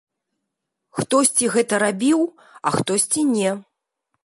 Хтосьці гэта рабіў, а хтосьці не.